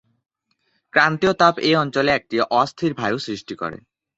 ক্রান্তীয় তাপ এই অঞ্চলে একটি অস্থির বায়ু সৃষ্টি করে।